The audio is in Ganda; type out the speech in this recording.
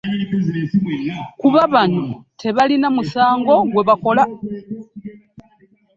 Kuba bano tebalina musango gwe baakola